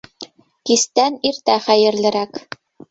Кистән иртә хәйерлерәк.